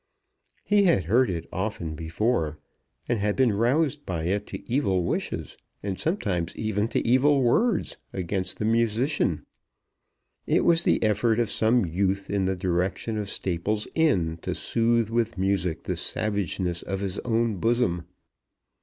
He had heard it often before, and had been roused by it to evil wishes, and sometimes even to evil words, against the musician. It was the effort of some youth in the direction of Staple's Inn to soothe with music the savageness of his own bosom.